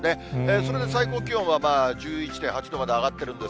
それで最高気温は１１．８度まで上がってるんです。